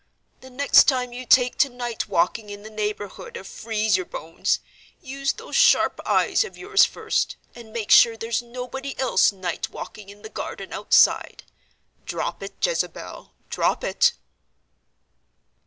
"The next time you take to night walking in the neighborhood of Freeze your Bones, use those sharp eyes of yours first, and make sure there's nobody else night walking in the garden outside. Drop it, Jezebel! drop it!"